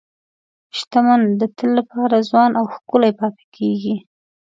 شتمن د تل لپاره ځوان او ښکلي پاتې کېږي.